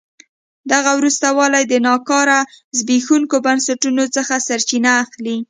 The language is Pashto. دغه وروسته والی د ناکاره زبېښونکو بنسټونو څخه سرچینه اخلي.